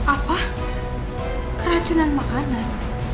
apa keracunan makanan